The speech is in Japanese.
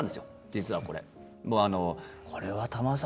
実はこれ。